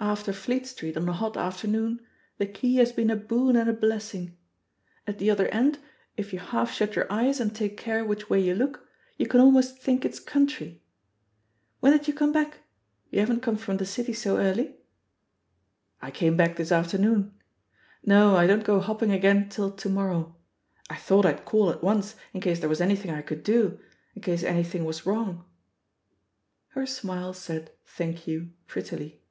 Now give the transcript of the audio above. After Fleet Street on a hot afternoon the key has been a boon and a blessing. At the other end, if you half shut your eyes and take care which way you look, you can almost think it's country. When did you come back? you haven't come from the City so early?" "I came back this afternoon. No, I don't go hopping again till to morrow. I thought I'd call at once, in case there was anjrthing I could do — ^in case anything was wrong." Her smile said *'Thank you" prettily.